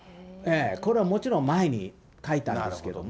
これはもちろん前に描いたんですけどね。